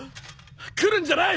来るんじゃない！